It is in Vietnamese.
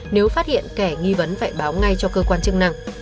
nếu phát hiện kẻ nghi vấn phải báo ngay cho cơ quan chức năng